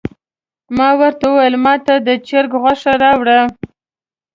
ما ورته وویل ماته د چرګ غوښه راوړه.